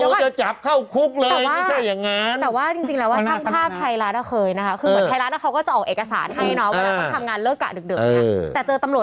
เขาจะจับเข้าคุกเลย